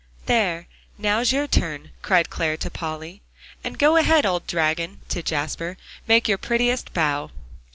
"There, now's your turn," cried Clare to Polly. "And go ahead, old dragon," to Jasper, "make your prettiest bow."